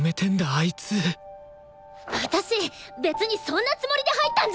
あいつ私別にそんなつもりで入ったんじゃ。